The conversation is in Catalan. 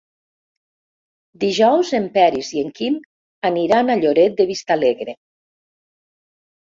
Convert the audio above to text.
Dijous en Peris i en Quim aniran a Lloret de Vistalegre.